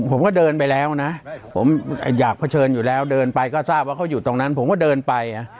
ผมก็เดินไปแล้วนะผมอยากเผชิญอยู่แล้วเดินไปก็ทราบว่าเขาอยู่ตรงนั้นผมก็เดินไป